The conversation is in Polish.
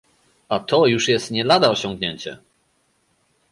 A to już jest nie lada osiągnięcie!